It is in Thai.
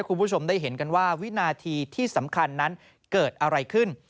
คุณผู้ชมได้เห็นกันว่าวินาทีที่สำคัญนั้นเกิดอะไรขึ้น